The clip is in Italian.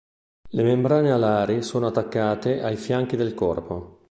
Le membrane alari sono attaccate ai fianchi del corpo.